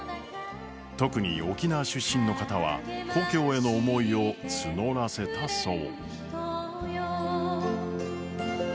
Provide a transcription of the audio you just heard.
特に沖縄出身の方は故郷への思いを募らせたそう。